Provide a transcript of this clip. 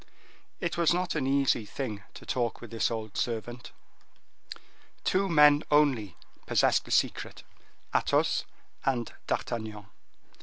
It was not an easy thing to talk with this old servant. Two men only possessed the secret, Athos and D'Artagnan.